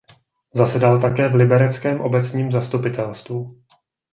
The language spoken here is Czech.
Zasedal také v libereckém obecním zastupitelstvu.